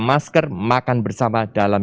masker makan bersama dalam